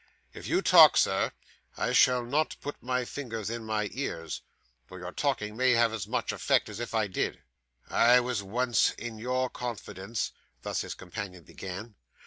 'If you talk, sir, I shall not put my fingers in my ears, though your talking may have as much effect as if I did.' 'I was once in your confidence ' thus his companion began.